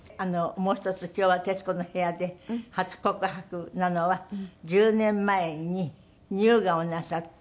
もう１つ今日は『徹子の部屋』で初告白なのは１０年前に乳がんをなさって。